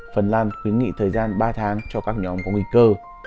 phần lan khuyến nghị thời gian ba tháng cho các nhóm có nguy cơ